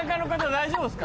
大丈夫です